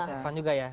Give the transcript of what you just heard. saya sepakat juga ya